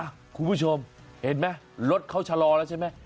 คุณผู้ชมเห็นไหมรถเขาชะลอแล้วใช่ไหม